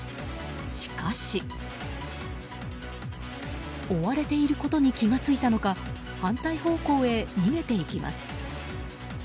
しかし追われていることに気が付いたのか反対方向へ逃げていきます。